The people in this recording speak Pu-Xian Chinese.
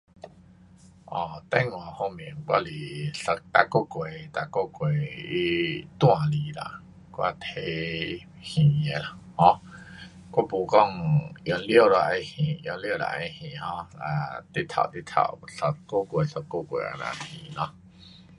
um 电话方面我是一，每个月，每个月它带来啦，我提还的啦 um 我没讲用完了再还，用完了再还 um 直透直透，一个月一个月这样还咯。